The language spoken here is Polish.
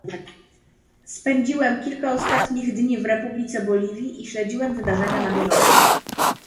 Spędziłem ostatnich kilka dni w Republice Boliwii i śledziłem wydarzenia na bieżąco